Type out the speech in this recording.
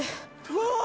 うわ！